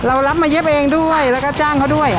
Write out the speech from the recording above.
เรารับมาเย็บเองด้วยแล้วก็จ้างเขาด้วย